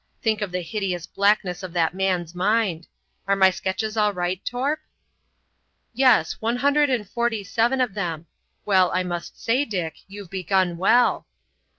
Think of the hideous blackness of that man's mind! Are my sketches all right, Torp?" "Yes; one hundred and forty seven of them. Well, I must say, Dick, you've begun well."